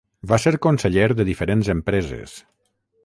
Va ser conseller de diferents empreses.